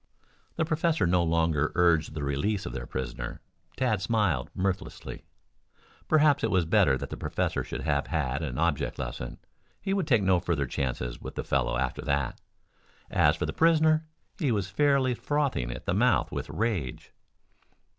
The professor no longer urged the release of their prisoner. Tad smiled mirthlessly. Perhaps it was better that the professor should have had an object lesson. He would take no further chances with the fellow after that. As for the prisoner, he was fairly frothing at the mouth with rage.